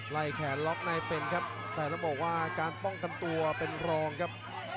แขนล็อกในเป็นครับแต่ต้องบอกว่าการป้องกันตัวเป็นรองครับ